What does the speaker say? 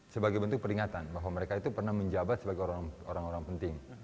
sebagai bentuk peringatan bahwa mereka itu pernah menjabat sebagai orang orang penting